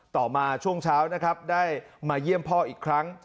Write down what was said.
ต่อมาช่วงเช้านะครับได้มาเยี่ยมพ่ออีกครั้ง